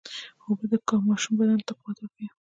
اوبه د ماشوم بدن ته قوت ورکوي.